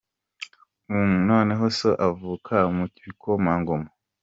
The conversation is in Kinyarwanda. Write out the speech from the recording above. Uuh um! Noneho So avuka mu bikomangoma?.